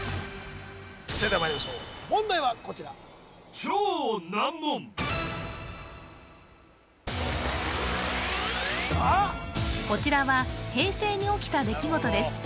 それではまいりましょう問題はこちらこちらは平成に起きた出来事です